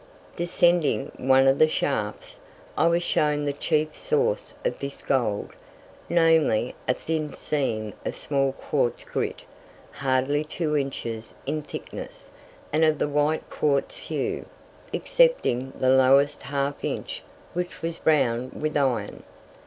Descending one of the shafts, I was shown the chief source of this gold, namely, a thin seam of small quartz grit, hardly two inches in thickness, and of the white quartz hue, excepting the lowest half inch, which was browned with iron.